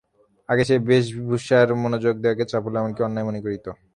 আগে সে বেশভূষায় মনোযোগ দেওয়াকে চাপল্য, এমন-কি, অন্যায় মনে করিত।